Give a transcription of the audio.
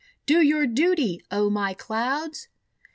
"Do your duty, O my Clouds!"